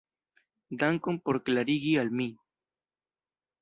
Dankon por klarigi al mi.